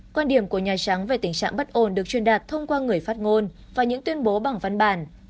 quan điểm của nhà trắng về tình trạng bất ổn được truyền đạt thông qua người phát ngôn và những tuyên bố bằng văn bản